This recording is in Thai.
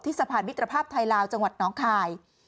สะพานมิตรภาพไทยลาวจังหวัดน้องคาย